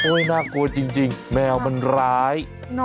น่ากลัวจริงแมวมันร้าย